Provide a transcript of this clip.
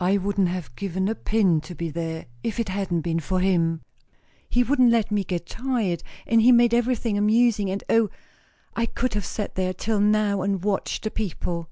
I wouldn't have given a pin to be there, if it hadn't been for him. He wouldn't let me get tired; and he made everything amusing; and O, I could have sat there till now and watched the people."